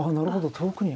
遠くに。